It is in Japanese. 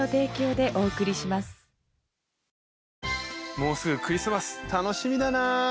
もうすぐクリスマス楽しみだな！